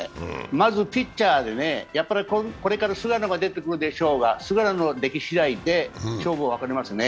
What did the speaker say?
まずピッチャーでね、これから菅野が出てくるでしょうが、菅野の出来次第で勝負は分かれますね。